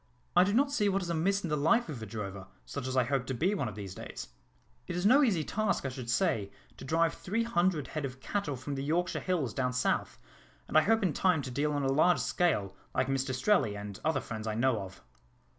I do not see what is amiss in the life of a drover, such as I hope to be one of these days. It is no easy task, I should say, to drive three hundred head of cattle from the Yorkshire hills down South, and I hope in time to deal on a large scale, like Mr Strelley, and other friends I know of."